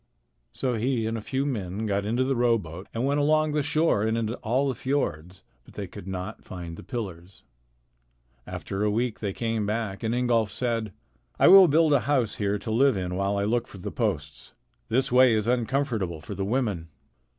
So he and a few men got into the rowboat and went along the shore and into all the fiords, but they could not find the pillars. After a week they came back, and Ingolf said: "I will build a house here to live in while I look for the posts. This way is uncomfortable for the women."